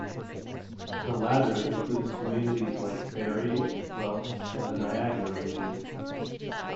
The latter includes communities like Barrie, Guelph and the Niagara Region.